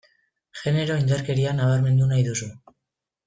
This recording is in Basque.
Genero indarkeria nabarmendu nahi duzu.